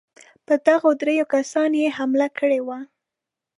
پر دغو درېو کسانو یې حمله کړې وه.